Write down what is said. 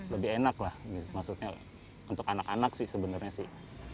lebih enak lah maksudnya untuk anak anak sih sebenarnya sih